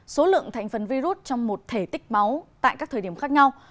số lượng thành phần virus trong một thể tích máu tại các thời điểm khác nhau